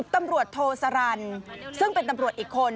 ตำรวจโทสรรซึ่งเป็นตำรวจอีกคน